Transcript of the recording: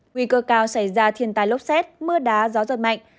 nguy cơ cao xảy ra thiên tai lốc xét mưa đá gió giật mạnh